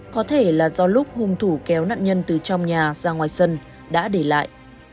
có thể là do lúc hung thủ kéo nạn nhân từ trong nhà ra ngoài sân đã để lại